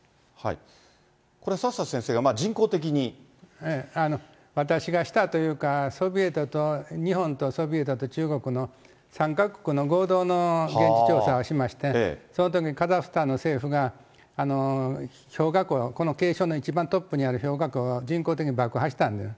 これ、私がしたというか、日本とソビエトと中国の３か国の合同の現地調査をしまして、そのときにカザフスタンの政府が、、この傾斜の一番トップにあるを人工的に爆破したんです。